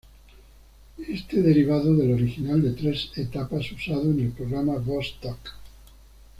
Este derivado del original de tres etapas usado en el programa Vostok.